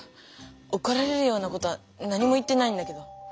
おこられるようなことは何も言ってないんだけど。